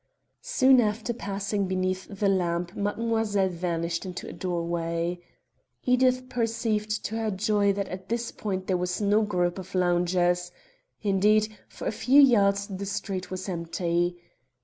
Soon after passing beneath the lamp mademoiselle vanished into a doorway. Edith perceived to her joy that at this point there was no group of loungers. Indeed, for a few yards the street was empty.